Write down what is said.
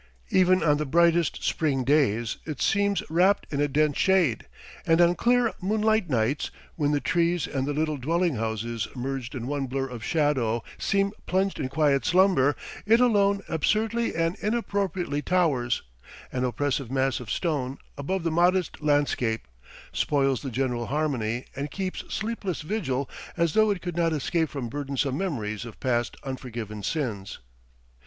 Even on the brightest spring days it seems wrapped in a dense shade, and on clear moonlight nights, when the trees and the little dwelling houses merged in one blur of shadow seem plunged in quiet slumber, it alone absurdly and inappropriately towers, an oppressive mass of stone, above the modest landscape, spoils the general harmony, and keeps sleepless vigil as though it could not escape from burdensome memories of past unforgiven sins.